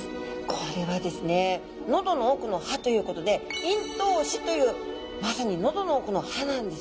これはですね喉の奥の歯ということで咽頭歯というまさに喉の奥の歯なんですね。